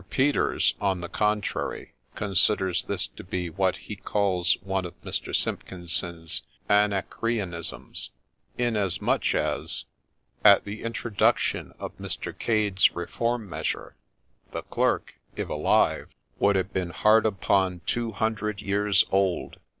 Peters, on the contrary, considers this to be what he calls one of Mr. Simpkin son's ' Anacreonisms,' inasmuch as, at the introduction of Mr. 54 GREY DOLPHIN Cade's reform measure, the Clerk, if alive, would have bepn hard upon two hundred years old.